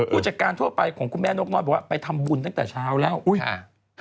ผู้จัดการทั่วไปของคุณแม่นกน้อยบอกว่าไปทำบุญตั้งแต่เช้าแล้วอุ้ยอ่า